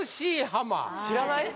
知らない？